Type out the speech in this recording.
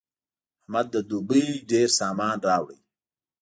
احمد له دوبۍ ډېر سامان راوړ.